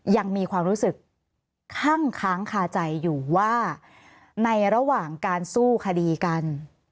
ยังมีความรู้สึกคั่งค้างคาใจอยู่ว่าในระหว่างการสู้คดีกัน